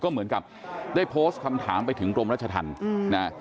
เหมือนกับได้โพสต์คำถามไปถึงกรมรัชธรรมนะ